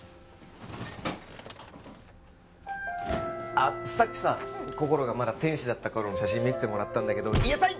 ああさっきさこころがまだ天使だった頃の写真見せてもらったんだけど癒やされ。